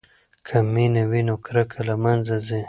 که مینه وي نو کرکه له منځه ځي.